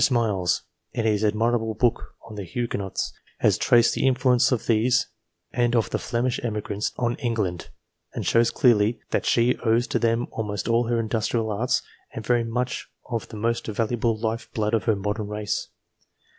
Smiles, in his admirable book on the Huguenots, has traced the influence of these and of the Flemish emigrants on England, and shows clearly that she owes to them almost all her industrial arts and very much of the most valuable life blood of her modern race.